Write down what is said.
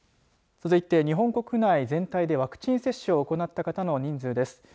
続いて日本国内全体でワクチン接種を行った方の人数です。